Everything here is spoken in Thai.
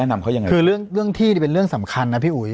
นำเขายังไงคือเรื่องที่นี่เป็นเรื่องสำคัญนะพี่อุ๋ย